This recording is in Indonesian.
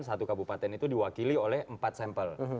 satu kabupaten itu diwakili oleh empat sampel